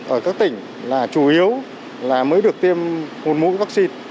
ở các tỉnh là chủ yếu là mới được tiêm một mũi vaccine